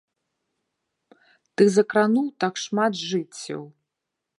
Ты закрануў так шмат жыццяў!